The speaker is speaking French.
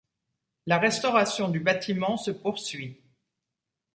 La restauration du bâtiment se poursuit.